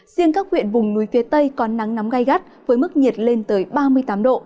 riêng các huyện vùng núi phía tây có nắng nóng gai gắt với mức nhiệt lên tới ba mươi tám độ